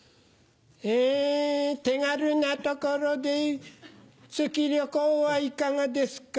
え手軽なところで月旅行はいかがですか？